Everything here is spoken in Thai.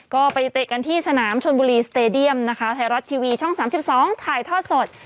ก็ไปเตะกันที่สนามชนบุรีสเตดียมนะคะไทยรัฐทีวีช่อง๓๒ถ่ายทอดสด